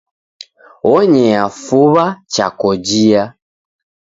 Onyea fuw'a cha kojia.